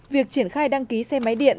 việc triển khai đăng ký xe máy điện